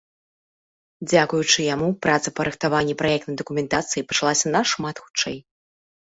Дзякуючы яму праца па рыхтаванні праектнай дакументацыі пачалася нашмат хутчэй.